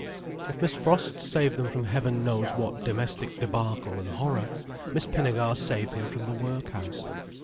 If Miss Frost saved him from heaven knows what domestic débâcle and horror, Miss Pinnegar saved him from the workhouse.